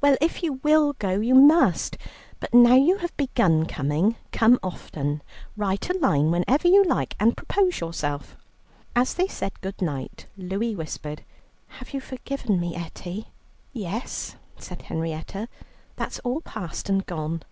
"Well, if you will go, you must. But now you have begun coming, come often. Write a line whenever you like and propose yourself." As they said good night, Louie whispered, "Have you forgiven me, Etty?" "Yes," said Henrietta, "that's all past and gone."